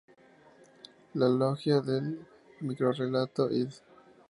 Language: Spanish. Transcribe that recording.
La logia del microrrelato", Ed.